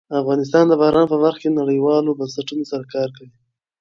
افغانستان د باران په برخه کې نړیوالو بنسټونو سره کار کوي.